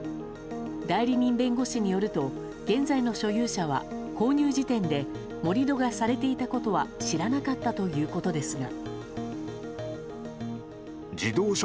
代理人弁護士によると現在の所有者は購入時点で盛り土がされていたことは知らなかったということですが。